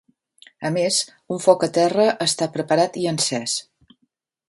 A més, un foc a terra està preparat i encès.